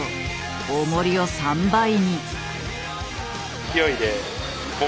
おもりを３倍に。